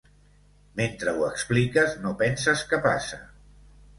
Mentre ho expliques no penses què passa.